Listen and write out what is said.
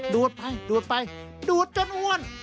ดูดไปดูดจนอ้วน